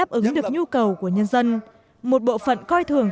không đủ lực lượng để tạo ra sự năng lượng